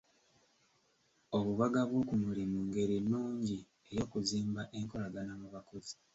Obubaga bw'okumulimu ngeri nnungi ey'okuzimba enkolagana mu bakozi.